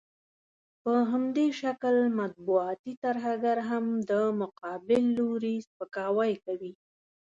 په همدې شکل مطبوعاتي ترهګر هم د مقابل لوري سپکاوی کوي.